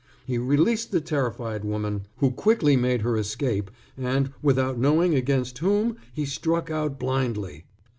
He released the terrified woman, who quickly made her escape, and, without knowing against whom, he struck out blindly.